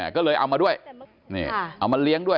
ก็เลยเอามาด้วยเอามาเลี้ยงด้วย